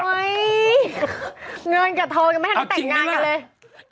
เงินกับทองไม่ให้ได้แต่งงานกันเลย